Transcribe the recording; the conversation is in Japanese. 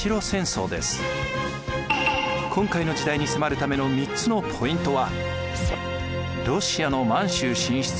今回の時代に迫るための３つのポイントは。